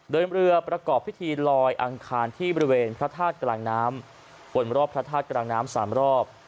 เรือประกอบพิธีลอยอังคารที่บริเวณพระธาตุกลางน้ำบนรอบพระธาตุกลางน้ำ๓รอบ